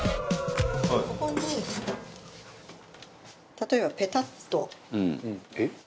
ここに例えばペタッと。